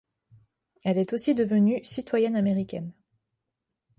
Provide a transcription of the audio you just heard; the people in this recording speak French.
Elle est aussi devenu citoyenne américaine.